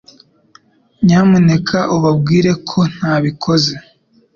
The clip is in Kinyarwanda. Nyamuneka ubabwire ko ntabikoze